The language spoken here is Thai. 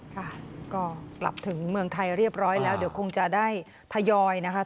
ค่ะก็กลับถึงเมืองไทยเรียบร้อยแล้วเดี๋ยวคงจะได้ทยอยนะคะ